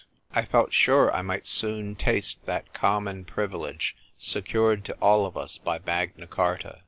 ' I felt sure I might soon taste that common privilege secured to all of us by Magna Charta.